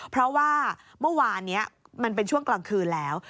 เพราะว่าเมื่อวานนี้มันเป็นช่วงกลางคืนแล้ว